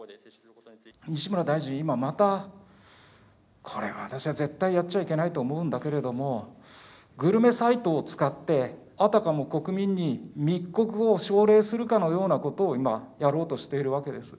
西村大臣、今また、これは私は絶対やっちゃいけないと思うんだけれども、グルメサイトを使って、あたかも国民に密告を奨励するかのようなことを今、やろうとしているわけです。